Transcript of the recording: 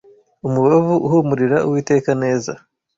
umubavu uhumurira Uwiteka neza